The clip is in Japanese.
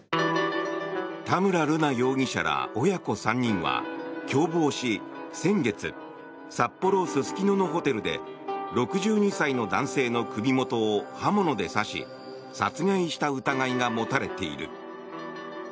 田村瑠奈容疑者ら親子３人は共謀し先月、札幌・すすきののホテルで６２歳の男性の首元を刃物で刺し殺害した疑いが持たれている。